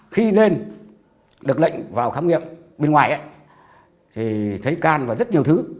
khi lên được lệnh vào khám nghiệm bên ngoài thì thấy can và rất nhiều thứ